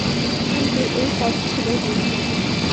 কিন্তু এই পথ ছিল দীর্ঘ।